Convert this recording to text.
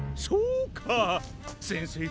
そうか！